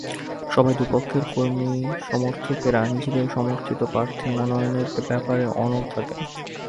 সভায় দুই পক্ষের কর্মী-সমর্থকেরা নিজেদের সমর্থিত প্রার্থী মনোনয়নের ব্যাপারে অনড় থাকেন।